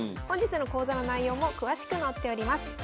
本日の講座の内容も詳しく載っております。